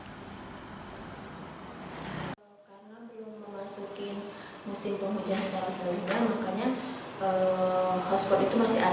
karena belum memasuki musim kemarau